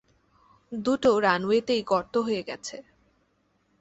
দুটো রানওয়েতেই গর্ত হয়ে গেছে।